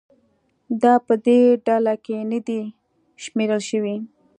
دا په دې ډله کې نه دي شمېرل شوي